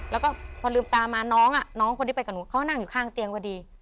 แล้วก็พอลืมตามาน้องน้องคนที่ไปกับหนูเขานั่งอยู่ข้างเตียงพอดี